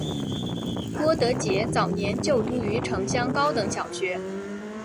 郭德洁早年就读于城厢高等小学。